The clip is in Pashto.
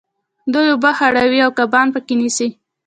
دوی اوبه خړوي او کبان په کې نیسي.